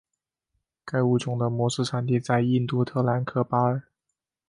该物种的模式产地在印度特兰克巴尔。